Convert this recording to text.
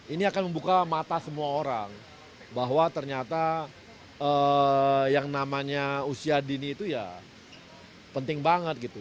ini akan membuka mata semua orang bahwa ternyata yang namanya usia dini itu ya penting banget gitu